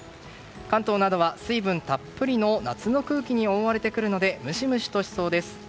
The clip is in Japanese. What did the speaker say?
関東などは水分たっぷりの夏の空気に覆われてくるのでムシムシとしそうです。